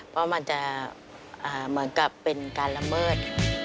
เพราะมันจะเหมือนกับเป็นการละเมิด